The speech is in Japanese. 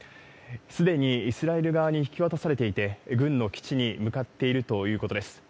すでにイスラエル側に引き渡されていて、軍の基地に向かっているということです。